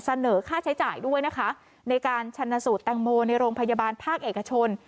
เสนอค่าใช้จ่ายด้วยนะคะในการชันสูตรแตงโมในโรงพยาบาลภาคเอกชน